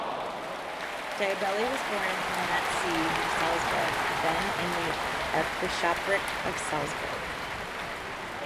Diabelli was born in Mattsee near Salzburg, then in the Archbishopric of Salzburg.